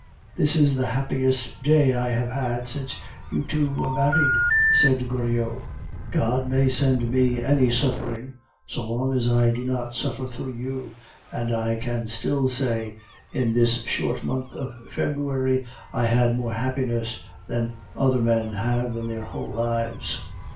"This is the happiest day I have had since you two were married!" cried Goriot. "God may send me any suffering, so long as I do not suffer through you, and I can still say, 'In this short month of February I had more happiness than other men have in their whole lives.